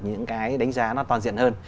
những cái đánh giá nó toàn diện hơn